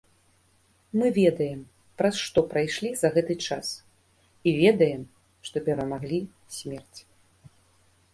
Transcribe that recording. Мы ведаем, праз што прайшлі за гэты час, і ведаем, што перамаглі смерць.